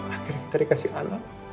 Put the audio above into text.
akhirnya kita dikasih alam